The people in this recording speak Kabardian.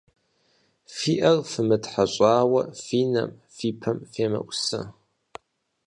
Фи Ӏэр фымытхьэщӀауэ фи нэм, фи пэм фемыӀусэ.